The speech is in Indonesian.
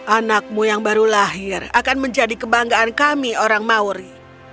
anakmu yang baru lahir akan menjadi kebanggaan kami orang mauri